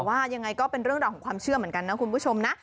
แต่ว่ายังไงก็เป็นเรื่องของความเชื่อแหละเนาะคุณผู้ชมนะ